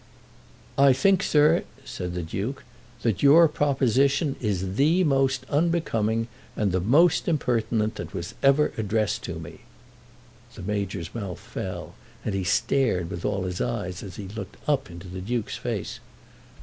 "I think, sir," said the Duke, "that your proposition is the most unbecoming and the most impertinent that ever was addressed to me." The Major's mouth fell, and he stared with all his eyes as he looked up into the Duke's face.